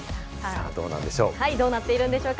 どうなっているんでしょうか。